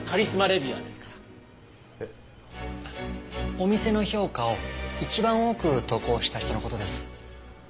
お店の評価を一番多く投稿した人の事です。